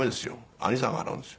「兄さんが払うんですよ」。